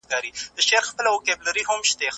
O ګروپ لرونکي لږ په زړه ناروغۍ اخته کېږي.